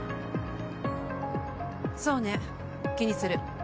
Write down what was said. そうね、気にする。